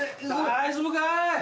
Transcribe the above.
大丈夫かい？